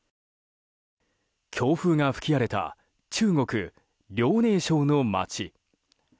強風が吹き荒れた中国・遼寧省の街。